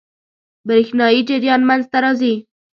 برېښنايي جریان منځ ته راځي.